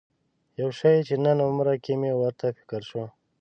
یو شي چې نن عمره کې مې ورته فکر شو.